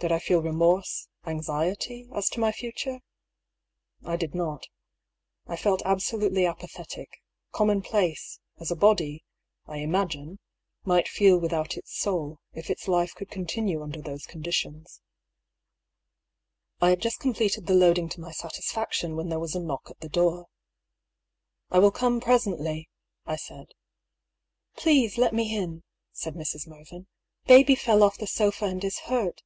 Did I feel remorse, anxiety, as to my future ? I did not. I felt absolutely apathetic, commonplace, as a body, I imagine, might feel without its soul, if its life could continue under those conditions. I had just completed the loading to my satisfaction when there was a knock at the door. " I will come presently," I said. " Please, let me in," said Mrs. Mervyn. " Baby fell off the sofa and is hurt.